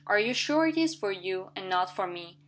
"Are you sure it is for you and not for me?"